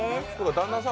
旦那さん